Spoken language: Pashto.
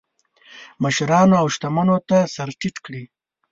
مشرانو او شتمنو ته سر ټیټ کړي.